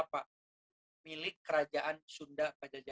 pelabuhan kelapa milik kerajaan sunda